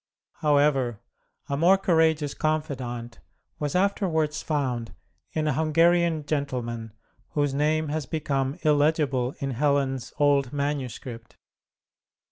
However, a more courageous confidant was afterwards found in a Hungarian gentleman, whose name has become illegible in Helen's old manuscript.